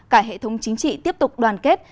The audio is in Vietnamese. cả hệ thống chính trị tiếp tục đoàn kết